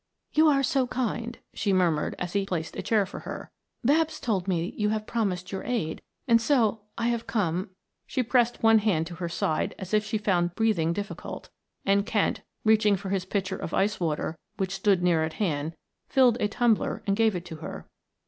"You are so kind," she murmured as he placed a chair for her. "Babs told me you have promised your aid, and so I have come " she pressed one hand to her side as if she found breathing difficult and Kent, reaching for his pitcher of ice water which stood near at hand, filled a tumbler and gave it to her.